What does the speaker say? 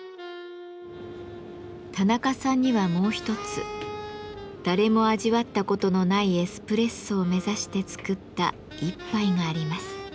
田中さんにはもう一つ「誰も味わったことのないエスプレッソ」を目指して作った一杯があります。